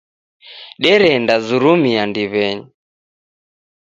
Derendazurumia ndiw'enyi.